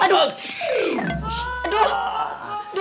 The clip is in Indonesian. eh eh ibu